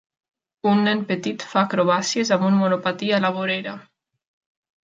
Un nen petit fa acrobàcies amb un monopatí a la vorera.